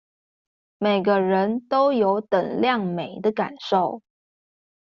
每個人都有等量美的感受